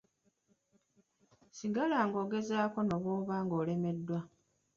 Sigala ng'ogezaako ne bw'oba ng'olemeddwa.